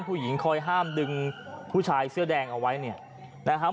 ผู้หญิงคอยห้ามดึงผู้ชายเสื้อแดงเอาไว้เนี่ยนะครับ